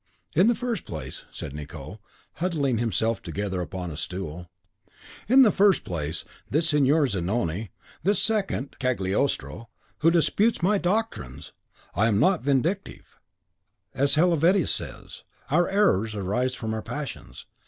"In the first place," said Nicot, huddling himself together upon a stool, "in the first place, this Signor Zanoni, this second Cagliostro, who disputes my doctrines! (no doubt a spy of the man Capet) I am not vindictive; as Helvetius says, 'our errors arise from our passions.